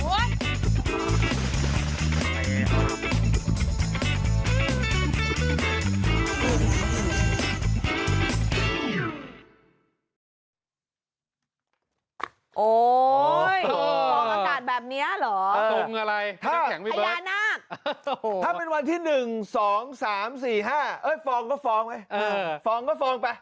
โอ้ยฟองอากาศแบบเนี้ยเหรอถ้าเป็นวันที่๑๒๓๔๕เอ้ยฟองก็ฟองไปฟองก็ฟองไป